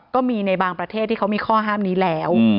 ก็มีในบางประเทศที่เขามีข้อห้ามนี้แล้ว